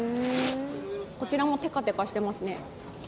こちらもてかてかしてますね。